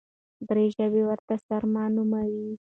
دري ژبي ورته سرمه نوموي.